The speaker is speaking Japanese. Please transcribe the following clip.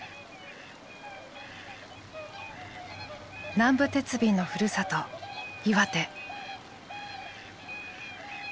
南部鉄瓶のふるさと岩手。